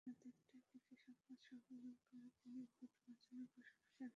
বেলা দেড়টার দিকে সংবাদ সম্মেলন করে তিনি ভোট বর্জনের ঘোষণা দেন।